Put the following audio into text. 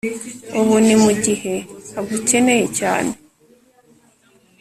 ubu ni mugihe agukeneye cyane